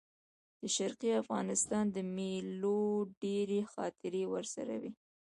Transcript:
د شرقي افغانستان د مېلو ډېرې خاطرې ورسره وې.